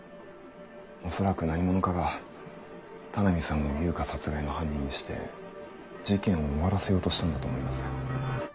恐らく何者かが田波さんを悠香殺害の犯人にして事件を終わらせようとしたんだと思います。